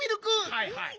はいはい。